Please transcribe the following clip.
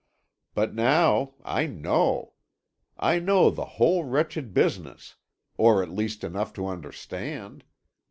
But now I know. I know the whole wretched business; or at least enough to understand.